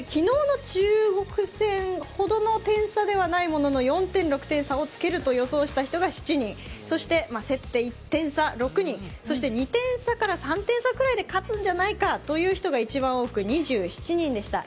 昨日の中国戦ほどの点差ではないものの、４点、６点、差をつけると予想した人が７人、競って１点差、６人２点差から３点差くらいで勝つんじゃないかという人が一番多くて２７人。